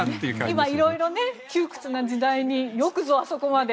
今、色々窮屈な時代によくぞあそこまで。